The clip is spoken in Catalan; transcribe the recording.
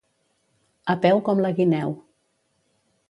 A peu com la guineu.